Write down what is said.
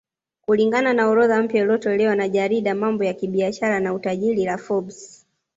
Kulingana orodha mpya iliyotolewa na jarida mambo ya kibiashara na utajiri la Forbes